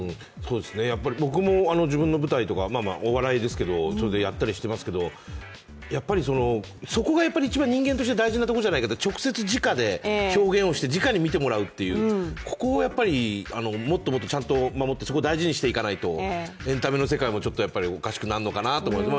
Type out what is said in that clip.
僕も自分の舞台とか、お笑いですけどそれでやったりしていますけどやっぱりそこが一番人間として大事なところじゃないかと、直接、じかで表現して、じかで見てもらうというここをやっぱりもっともっとちゃんと守ってそこを大事にしていかないと、エンタメの世界もおかしくなるんじゃないかなと。